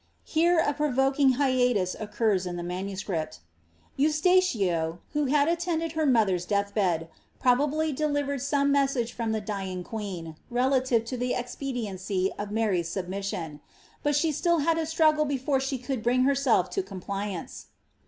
Here a provoking hiatus occurs in the manuscript.* Eostachio, who had attended her mother's death bed* probably delivered some mes sage from the dying queen, relative to the expediency of Blarv s snb mission ; but she had still a struggle before she could bring herself to compliance.